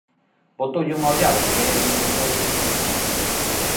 Botoulle unha ollada que el entendeu de complicidade.